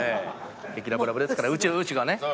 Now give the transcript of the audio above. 激ラブラブですからうちがね。